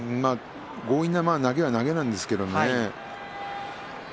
強引な投げは投げなんですけどね。